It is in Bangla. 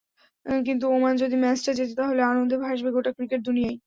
কিন্তু ওমান যদি ম্যাচটা জেতে, তাহলে আনন্দে ভাসবে গোটা ক্রিকেট দুনিয়াই।